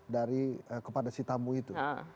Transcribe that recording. dari kepada si tamu itu